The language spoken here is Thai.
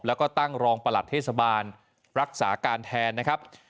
แล้วก็ตั้งรองประหลัดเทศบาลรักษาการแทนนะครับ